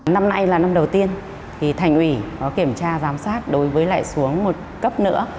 năm nay là năm đầu tiên thành ủy có kiểm tra giám sát đối với lại xuống một cấp nữa